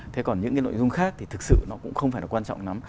thế còn những cái nội dung khác thì thực sự nó cũng không phải là quan trọng lắm